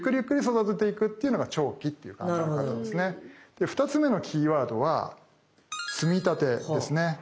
で２つ目のキーワードは積立ですね。